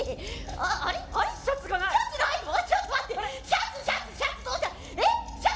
あちょっと待って！